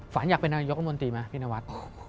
อยากเป็นนายกรมนตรีไหมพี่นวัด